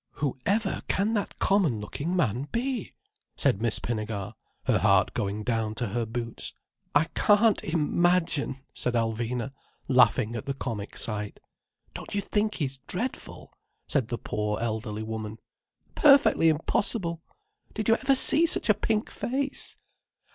"Who ever can that common looking man be?" said Miss Pinnegar, her heart going down to her boots. "I can't imagine," said Alvina, laughing at the comic sight. "Don't you think he's dreadful?" said the poor elderly woman. "Perfectly impossible. Did ever you see such a pink face?"